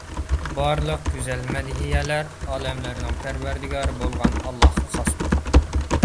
بارلىق گۈزەل مەدھىيەلەر ئالەملەرنىڭ پەرۋەردىگارى بولغان ئاللاھقا خاستۇر.